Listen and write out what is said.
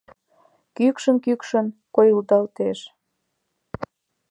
Кӱкшын-кӱкшын койылдалеш, -